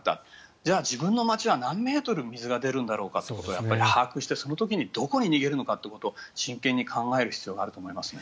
じゃあ、自分の街は何メートル水が出るんだろうかということを把握して、その時にどこに逃げるのかということを真剣に考える必要があると思いますね。